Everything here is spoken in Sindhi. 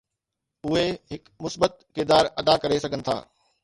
اهي هڪ مثبت ڪردار ادا ڪري سگهن ٿا.